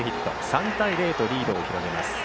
３対０とリードを広げます。